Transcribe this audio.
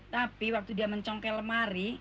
tapi waktu dia mencongkel lemari